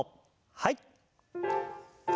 はい。